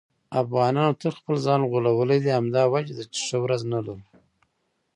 افغانانو تل خپل ځان غولولی دی. همدا وجه ده چې ښه ورځ نه لرو.